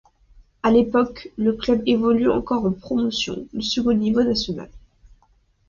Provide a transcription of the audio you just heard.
À l'époque, le club évolue encore en Promotion, le second niveau national.